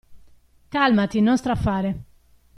Calmati, non strafare.